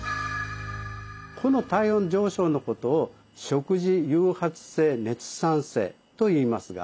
この体温上昇のことを「食事誘発性熱産生」といいますが実はこれはですね